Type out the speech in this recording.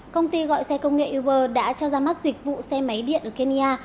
công ty gọi xe công nghệ uber đã cho ra mắt dịch vụ xe máy điện ở kenya